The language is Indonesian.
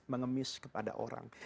mengemis kepada orang